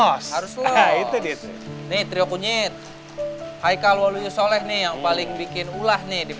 harus ini triok kunyit hai kalau soleh nih yang paling bikin ulah nih